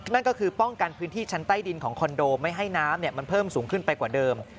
นั่นก็คือป้องกันพื้นที่ชั้นใต้ดินของคอนโดไม่ให้น้ำมันเพิ่มสูงขึ้นไปกว่าเดิม